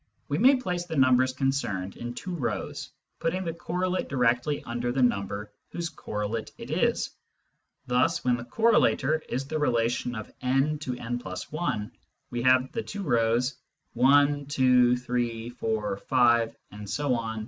We may place the numbers concerned in two rows, putting the correlate directly under the number whose correlate it is. Thus when the correlator is the relation of n to »+ i, we have the two rows : i, 2, 3, 4, s, ..